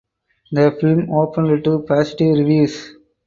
The film opened to positive reviews.